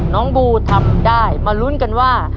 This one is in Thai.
บูทำได้มาลุ้นกันว่า